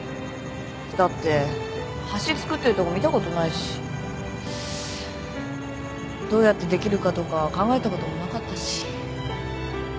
だって橋造ってるとこ見たことないしどうやってできるかとか考えたこともなかったし。